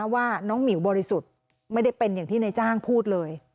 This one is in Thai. ว่าน้องหมิวบริสุทธิ์ไม่ได้เป็นอย่างที่ในจ้างพูดเลย